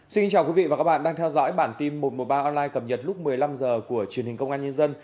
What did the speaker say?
xin chào quý vị và các bạn đang theo dõi bản tin một trăm một mươi ba online cập nhật lúc một mươi năm h của truyền hình công an nhân dân